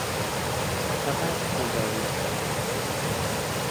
چقدر پول داری؟